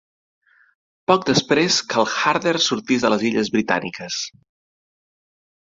Poc després que el "Harder" sortís de les illes Britàniques.